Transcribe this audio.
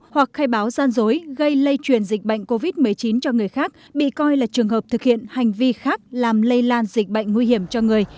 hoặc khai báo gian dối gây lây truyền dịch bệnh covid một mươi chín cho người khác bị coi là trường hợp thực hiện hành vi khác làm lây lan dịch bệnh nguy hiểm cho người